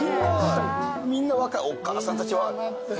みんな若いお母さんたち。